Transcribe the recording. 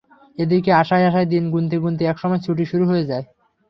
এদিকে আশায় আশায় দিন গুনতে গুনতে একসময় ছুটি শুরু হয়ে যায়।